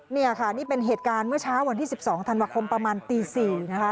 นี่ค่ะนี่เป็นเหตุการณ์เมื่อเช้าวันที่๑๒ธันวาคมประมาณตี๔นะคะ